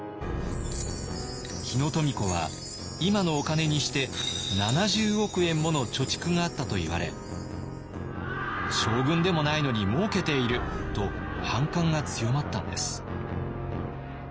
日野富子は今のお金にして７０億円もの貯蓄があったといわれ将軍でもないのにもうけていると反感が強まったのです。